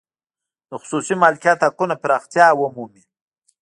د خصوصي مالکیت حقونه پراختیا ومومي.